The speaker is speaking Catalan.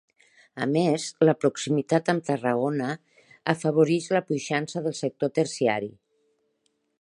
A més, la proximitat amb Tarragona, afavoreix la puixança del sector terciari.